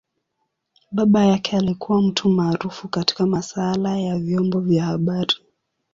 Baba yake alikua mtu maarufu katika masaala ya vyombo vya habari.